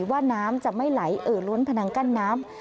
ว่าน้ำจะไม่ไหลเอ่อล้นพนังกั้นน้ำ